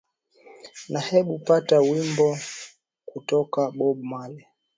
na hebu pata wimbo kutoka bob marley